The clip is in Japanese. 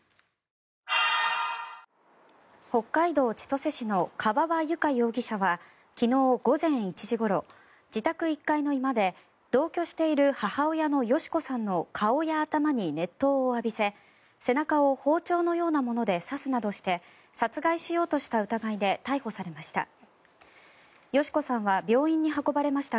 北海道千歳市の川場友香容疑者は昨日午前１時ごろ自宅１階の居間で同居している母親の美子さんの顔や頭に熱湯を浴びせ背中を包丁のようなもので刺すなどして殺害しようとした疑いで逮捕されました。